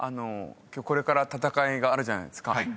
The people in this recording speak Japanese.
今日これから戦いがあるじゃないですか。